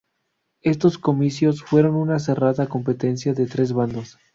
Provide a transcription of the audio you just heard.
Estos comicios fueron una cerrada competencia de tres bandos.